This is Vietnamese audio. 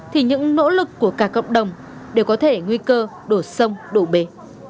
thì những nỗ lực của cả cộng đồng đều có thể nguy cơ đổ sông đổ bể